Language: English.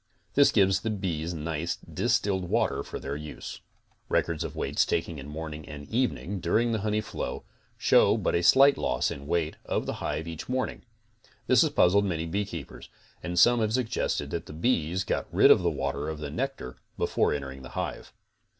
This gives the bees nice distilled water for their use. Records of weights taken morning and evening, during the honey flow, show but a slight loss in weight of the hive each morning. This has puzzled many beekeepers, and some have suggested that the bees got rid of the water of the nectar before entering the hive.